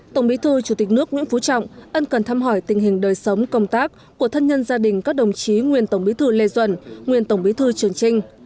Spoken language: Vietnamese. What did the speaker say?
tổng bí thư chủ tịch nước nguyễn phú trọng ân cần thăm hỏi tình hình đời sống công tác của thân nhân gia đình các đồng chí nguyên tổng bí thư lê duẩn nguyên tổng bí thư trường trinh